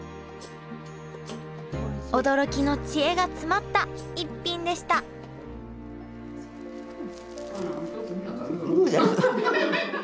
驚きの知恵が詰まった逸品でしたグーです。